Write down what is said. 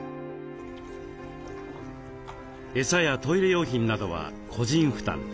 餌やトイレ用品などは個人負担。